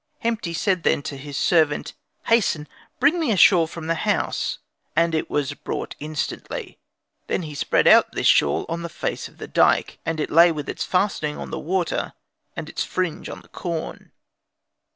Hemti said then to his servant, "Hasten I bring me a shawl from the house," and it was brought instantly. Then spread he out this shawl on the face of the dyke, and it lay with its fastening on the water and its fringe on the corn.